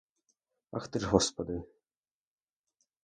Ах ти ж, господи!